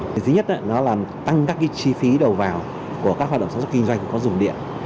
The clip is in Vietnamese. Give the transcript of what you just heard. thứ nhất là tăng các chi phí đầu vào của các hoạt động sản xuất kinh doanh có dùng điện